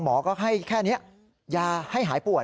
หมอก็ให้แค่นี้ยาให้หายป่วย